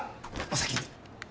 お先に。